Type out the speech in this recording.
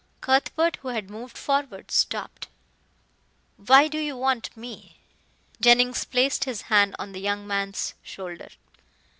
Cuthbert, who had moved forward, stopped. "Why do you want me?" Jennings placed his hand on the young man's shoulder.